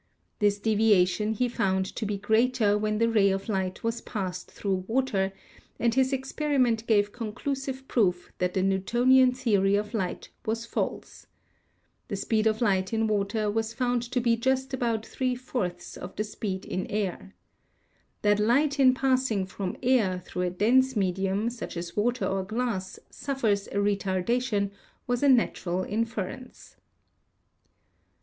This deviation he found to be greater when the ray of light was passed through water, and his experiment gave conclusive proof that the Newtonian theory of light was false. The speed of light in water was found to be just about three fourths of the speed in air. That light in passing from air through a dense medium, such as water or glass, suffers a retardation, was a natural inference.